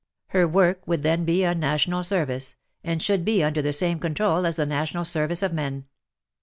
Her work would then be a 238 WAR AND WOMEN national service, and should be under the same control as the national service of men.